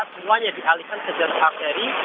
semuanya dialihkan ke jalan arterik